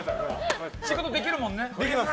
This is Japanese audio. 仕事できるもんね。